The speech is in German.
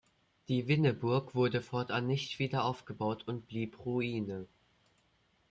Die Winneburg wurde fortan nicht wieder aufgebaut und blieb Ruine.